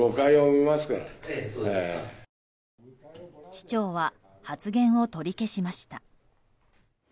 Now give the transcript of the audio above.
市長は発言を取り消しました。